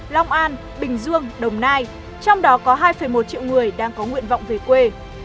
long an bình dương đồng nai trong đó có hai một triệu người đang có nguyện vọng về quê